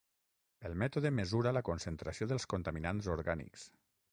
El mètode mesura la concentració dels contaminants orgànics.